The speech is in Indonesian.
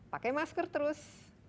pakai masker terus